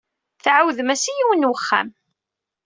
Tɛawdem-as i yiwen n wexxam.